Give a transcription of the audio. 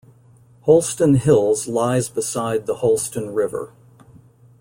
Holston Hills lies beside the Holston River.